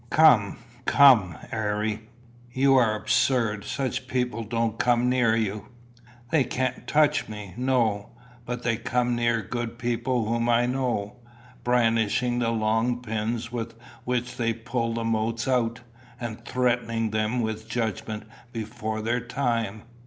"Come, come, Harry. You are absurd. Such people don't come near you." "They can't touch me. No. But they come near good people whom I know, brandishing the long pins with which they pull the motes out, and threatening them with judgment before their time.